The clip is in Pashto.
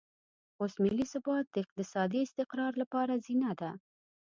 اوس ملي ثبات د اقتصادي استقرار لپاره زینه ده.